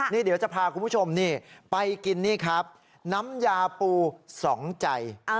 นี่เดี๋ยวจะพาคุณผู้ชมนี่ไปกินนี่ครับน้ำยาปูสองใจ